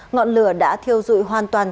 ngọn lửa đã thiêu dụi hoàn toàn